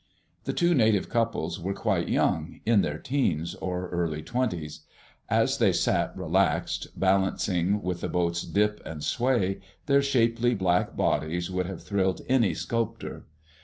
The two native couples were quite young, in their 'teens or early twenties. As they sat relaxed, balancing with the boat's dip and sway, their shapely black bodies would have thrilled any sculptor.